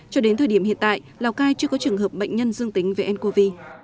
cho đến thời điểm hiện tại lào cai chưa có trường hợp bệnh nhân dương tính về ncov